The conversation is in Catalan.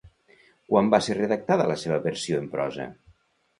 Quan va ser redactada la seva versió en prosa?